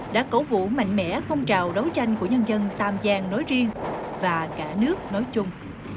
đã cấu vũ mạnh mẽ phong trào đấu tranh của nhân dân tam giang nói riêng và cả nước nói chung